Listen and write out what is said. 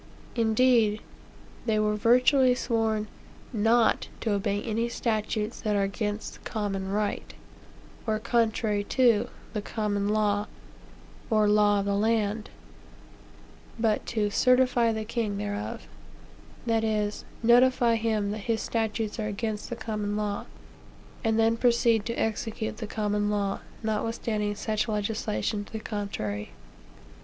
Indeed, they are virtually sworn not to obey any statutes that are against "common right," or contrary to "the common law," or "law of the land;" but to "certify the king thereof" that is, notify him that his statutes are against the common law; and then proceed to execute the common law, notwithstanding such legislation to the contrary.